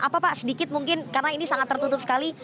apa pak sedikit mungkin karena ini sangat tertutup sekali